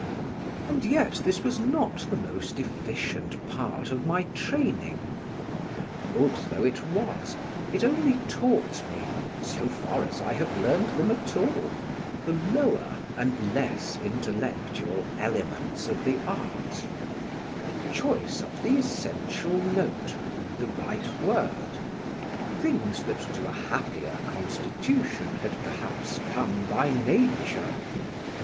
And yet this was not the most efficient part of my training. Good though it was, it only taught me (so far as I have learned them at all) the lower and less intellectual elements of the art, the choice of the essential note and the right word: things that to a happier constitution had perhaps come by nature.